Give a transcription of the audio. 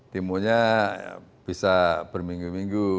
demonya bisa berminggu minggu